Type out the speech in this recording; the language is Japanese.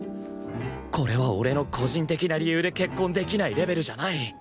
これは俺の個人的な理由で結婚できないレベルじゃない